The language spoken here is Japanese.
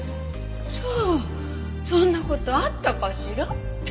さあそんな事あったかしら？